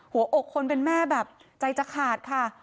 หัวอกคนเป็นแม่แบบใจจะขาดค่ะ